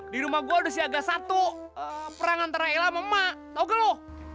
di rumah gua udah siaga satu perang antara ella sama emak tau gak lu